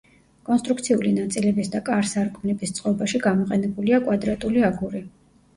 კონსტრუქციული ნაწილების და კარ-სარკმლების წყობაში, გამოყენებულია კვადრატული აგური.